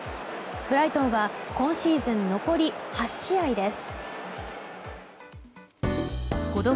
ブライトンは今シーズン残り８試合です。